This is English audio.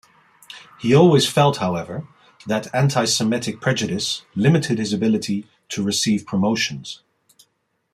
He always felt, however, that anti-Semitic prejudice limited his ability to receive promotions.